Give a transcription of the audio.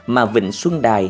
mà vịnh xuân đài